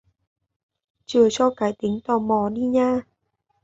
Chừa cho cái tính tò mò đi nha